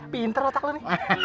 pinter otak lu nih